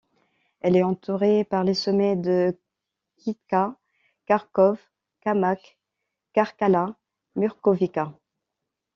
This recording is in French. Elle est entourée par les sommets de Kitka, Gărkov kamăk, Čarčalat, Murgovica.